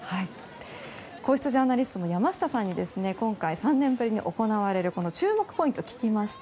皇室ジャーナリストの山下さんに今回、３年ぶりに行われる注目ポイントを聞きました。